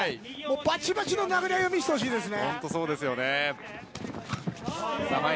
バチバチの殴り合いを見せてほしいですね。